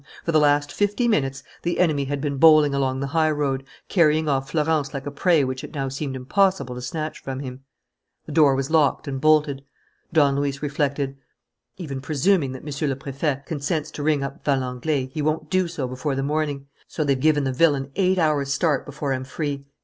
For the last fifty minutes the enemy had been bowling along the highroad, carrying off Florence like a prey which it now seemed impossible to snatch from him. The door was locked and bolted. Don Luis reflected: "Even presuming that Monsieur le Prefect consents to ring up Valenglay, he won't do so before the morning. So they've given the villain eight hours' start before I'm free.